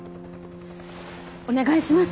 お願いします。